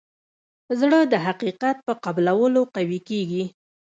زړه د حقیقت په قبلولو قوي کېږي.